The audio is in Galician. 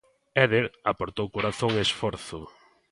Éder aportou corazón e esforzo.